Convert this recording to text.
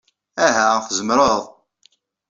Aha! Tzemreḍ!